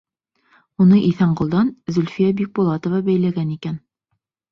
Уны Иҫәнғолдан Зөлфиә Бикбулатова бәйләгән икән.